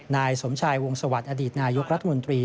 นายสมชัยวงศวรรษอดีตนายกรัฐมนตรี